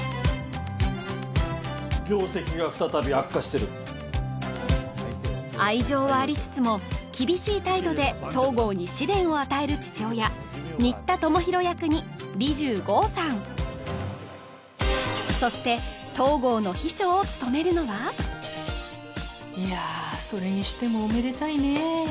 業績が再び悪化してる愛情はありつつも厳しい態度で東郷に試練を与える父親新田智宏役に利重剛さんそしてを務めるのはいやそれにしてもおめでたいねえ